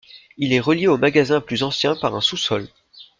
Il est relié au magasin plus ancien par un sous-sol.